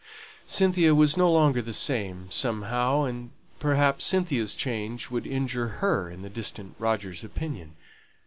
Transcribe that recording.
Cynthia was no longer the same, somehow: and perhaps Cynthia's change would injure her in the distant Roger's opinion.